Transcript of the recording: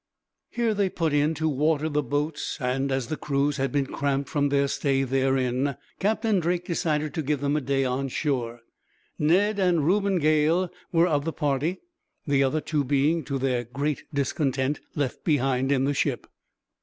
Here they put in to water the boats and, as the crews had been cramped from their stay therein, Captain Drake decided to give them a day on shore. Ned and Reuben Gale were of the party, the other two being, to their great discontent, left behind in the ship.